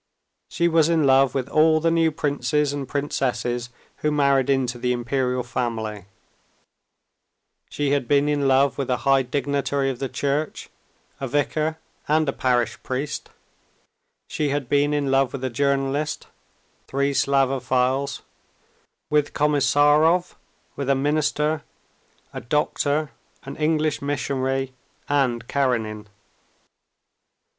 She was in love with all the new princes and princesses who married into the imperial family; she had been in love with a high dignitary of the Church, a vicar, and a parish priest; she had been in love with a journalist, three Slavophiles, with Komissarov, with a minister, a doctor, an English missionary and Karenin.